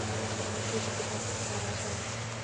خاموشي په کوټه کې خپره ده.